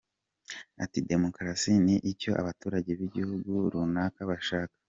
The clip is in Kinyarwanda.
Ati “Demokarasi ni icyo abaturage b’igihugu runaka bashaka.